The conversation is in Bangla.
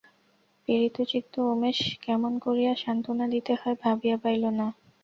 পীড়িতচিত্ত উমেশ কেমন করিয়া সান্ত্বনা দিতে হয় ভাবিয়া পাইল না।